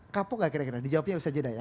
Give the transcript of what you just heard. kapok gak kira kira di jawabnya bisa jeda ya